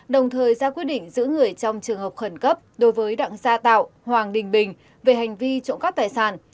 đồng thời ra quyết định giữ người trong trường hợp khẩn cấp đối với đặng gia tạo hoàng đình bình về hành vi trộm cắp tài sản